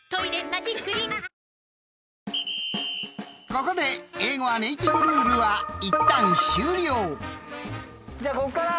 ［ここで英語はネーティブルールはいったん終了］